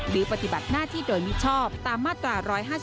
ปฏิบัติหน้าที่โดยมิชอบตามมาตรา๑๕๒